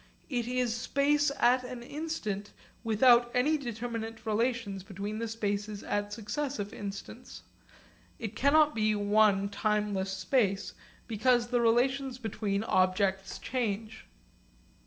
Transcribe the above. It is space at an instant without any determinate relations between the spaces at successive instants. It cannot be one timeless space because the relations between objects change.